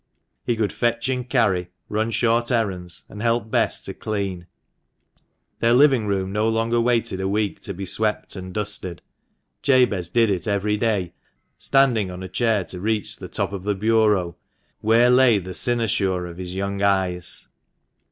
He could fetch and carry, run short errands, and help Bess to clean. Their living room no longer waited a week to be swept and dusted, Jabez did it every day, standing on a chair to reach the top of the bureau, where lay the cynosure of his young eyes.